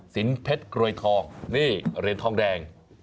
สินเพชรโรยทองนี้เรศทองแดง